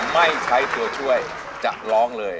ไม่ใช้ตัวช่วยจะร้องเลย